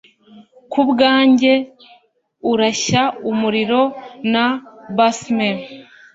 kubwanjye urashya umuriro na basme